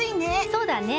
そうだね。